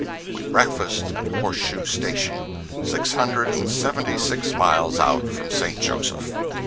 We breakfasted at Horse Shoe Station, six hundred and seventy six miles out from St. Joseph.